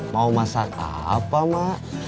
mau masak apa mak